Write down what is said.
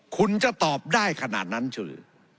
คุณจะตอบได้ขนาดนั้นชัวร์